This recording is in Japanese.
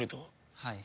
はい。